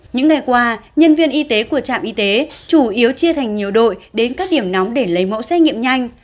những ngày qua nhân viên y tế của trạm y tế chủ yếu chia thành nhiều đội đến các điểm nóng để lấy mẫu xét nghiệm nhanh